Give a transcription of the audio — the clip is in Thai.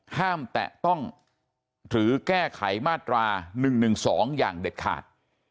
แตะต้องหรือแก้ไขมาตรา๑๑๒อย่างเด็ดขาด